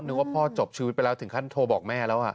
ว่าพ่อจบชีวิตไปแล้วถึงขั้นโทรบอกแม่แล้ว